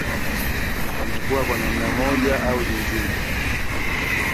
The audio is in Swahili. na pamekuwa kwa nanma moja au jingine